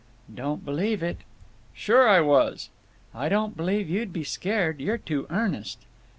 "Don't believe it!" "Sure I was." "I don't believe you'd be scared. You're too earnest."